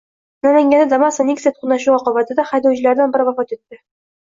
Namanganda Damas va Nexia to‘qnashuvi oqibatida haydovchilardan biri vafot etdi